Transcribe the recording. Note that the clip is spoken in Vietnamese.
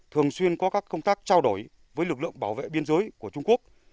thường xuyên có các công tác trao đổi với lực lượng bảo vệ biên giới của trung quốc